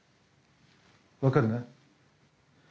分かるな？